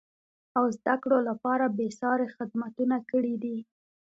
او زده کړو لپاره بېسارې خدمتونه کړیدي.